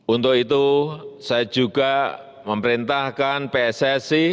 untuk itu saya juga memerintahkan pssi